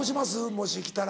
もし来たら。